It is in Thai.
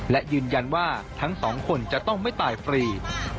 และยืนยันว่าทั้งสองคนจะต้องไม่ตายฟรี